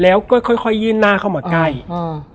แล้วสักครั้งหนึ่งเขารู้สึกอึดอัดที่หน้าอก